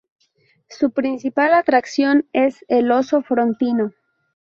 Su principal atracción es el Oso Frontino.